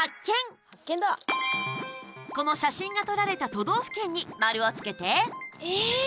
この写真が撮られた都道府県に丸をつけて。